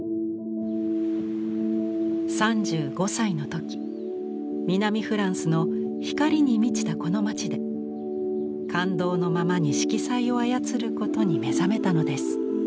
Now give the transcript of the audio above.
３５歳の時南フランスの光に満ちたこの街で感動のままに色彩を操ることに目覚めたのです。